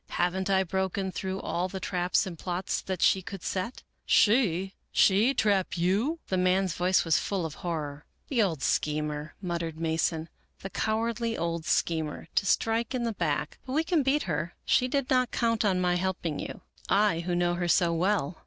" Haven't I broken through all the traps and plots that she could set ?"" She ? She trap you ?" The man's voice was full of horror, " The old schemer," muttered Mason. " The cowardly old schemer, to strike in the back ; but we can beat her. She did not count on my helping you — I, who know her so well."